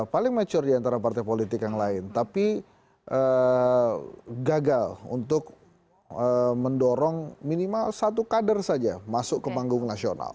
paling mature diantara partai politik yang lain tapi gagal untuk mendorong minimal satu kader saja masuk ke panggung nasional